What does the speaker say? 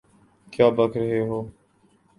کیا بک رہے ہو؟